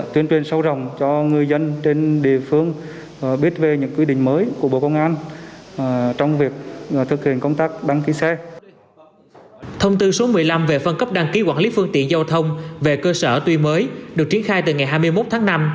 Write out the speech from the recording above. thông tư số một mươi năm về phân cấp đăng ký quản lý phương tiện giao thông về cơ sở tuy mới được triển khai từ ngày hai mươi một tháng năm